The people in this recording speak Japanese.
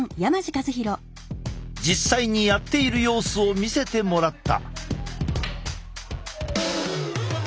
実際にやっている様子を見せてもらった。